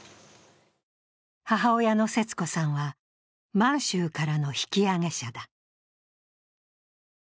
母親の節子さんは、満州からの引揚者だ。